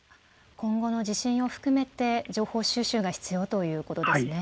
今後の地震を含めて情報収集が必要ということですね。